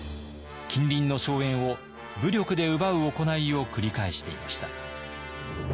近隣の荘園を武力で奪う行いを繰り返していました。